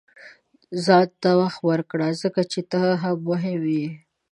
• ځان ته وخت ورکړه، ځکه چې ته هم مهم یې.